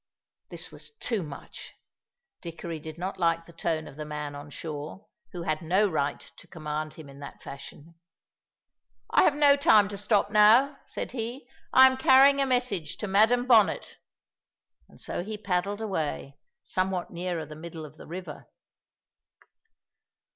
This was too much! Dickory did not like the tone of the man on shore, who had no right to command him in that fashion. "I have no time to stop now," said he; "I am carrying a message to Madam Bonnet." And so he paddled away, somewhat nearer the middle of the river.